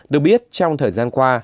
được biết trong thời gian qua